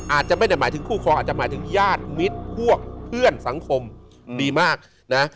อาจจะไม่ได้หมายถึงคู่คลองอาจจะหมายถึงญาติมิตรพวกเพื่อนสังคมดีมากนะ